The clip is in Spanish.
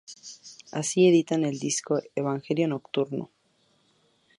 Así editan el disco "Evangelio Nocturno".